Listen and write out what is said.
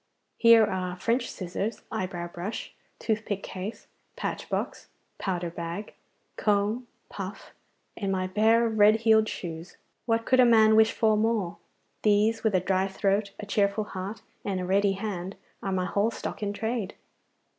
Here are French scissors, eyebrow brush, toothpick case, patch box, powder bag, comb, puff, and my pair of red heeled shoes. What could a man wish for more? These, with a dry throat, a cheerful heart, and a ready hand, are my whole stock in trade.